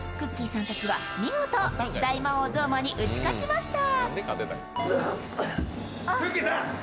さんたちは見事、大魔王ゾーマに打ち勝てました。